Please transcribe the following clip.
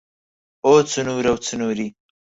ئۆ چنوورە و چنووری